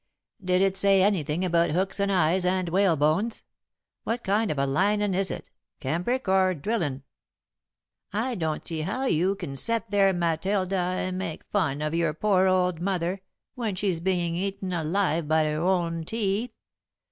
"Did it say anything about hooks and eyes and whalebones? What kind of a linin' is it cambric, or drillin'?" "I don't see how you can set there, Matilda, and make fun of your poor old mother, when she's bein' eaten alive by her own teeth.